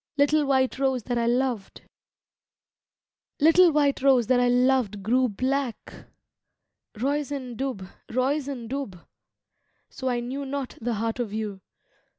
Little white rose that I loved ! Little white rose that I loved grew black, Roisin dub, Roisin dub ! So I knew not the heart of you.